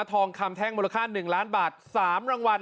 ทองคำแท่งมูลค่า๑ล้านบาท๓รางวัล